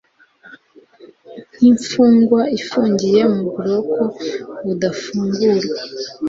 nk'imfungwa ifungiye mu buroko budafungurwa